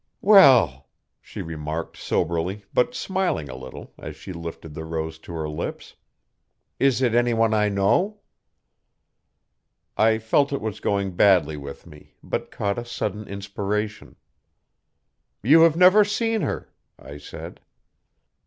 'Well,' she remarked soberly, but smiling a little, as she lifted the rose to her lips, 'is it anyone I know?' I felt it was going badly with me, but caught a sudden inspiration. 'You have never seen her,' I said.